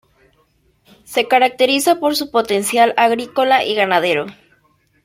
Se caracteriza por su potencial agrícola y ganadero.